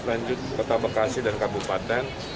lanjut kota bekasi dan kabupaten